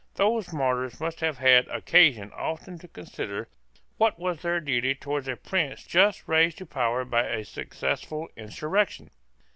Those martyrs must have had occasion often to consider what was their duty towards a prince just raised to power by a successful insurrection.